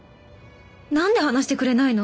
なんで話してくれないの？